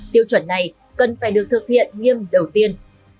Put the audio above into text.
tiêu chuẩn này cần phải được thực hiện nghiêm đầu tiên